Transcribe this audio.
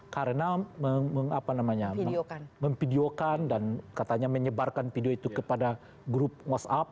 karena memvideokan dan katanya menyebarkan video itu kepada grup whatsapp